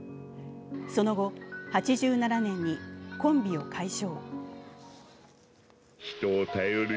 その後、８７年にコンビを解消。